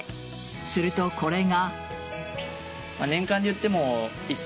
すると、これが。